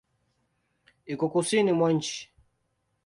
Iko kusini mwa nchi.